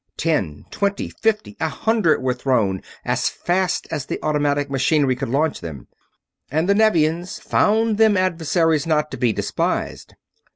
Ten, twenty, fifty, a hundred were thrown as fast as the automatic machinery could launch them; and the Nevians found them adversaries not to be despised.